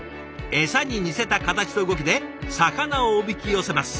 餌に似せた形と動きで魚をおびき寄せます。